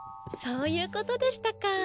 そういうことでしたか。